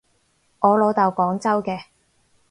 我老豆廣州嘅